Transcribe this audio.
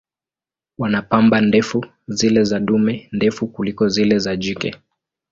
Wana pamba ndefu, zile za dume ndefu kuliko zile za jike.